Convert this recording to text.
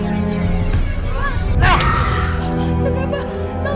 itu bahaya banget buat abang